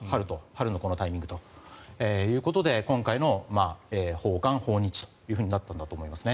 春のこのタイミングということで今回の訪韓、訪日ということになったんだと思います。